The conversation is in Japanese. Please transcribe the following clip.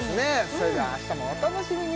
それでは明日もお楽しみに！